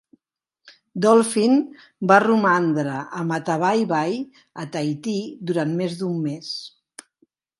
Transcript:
"Dolphin" va romandre a Matavai Bay a Tahiti durant més d"un mes.